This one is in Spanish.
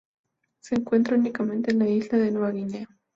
Se encuentra únicamente en la isla de Nueva Guinea.